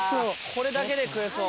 これだけで食えそう。